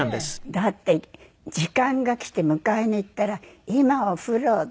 だって時間がきて迎えに行ったら「今お風呂」って言う。